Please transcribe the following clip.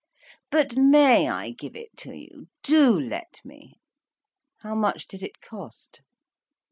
"But may I give it to you? Do let me." "How much did it cost?"